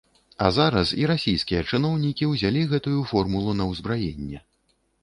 А зараз і расійскія чыноўнікі ўзялі гэтую формулу на ўзбраенне.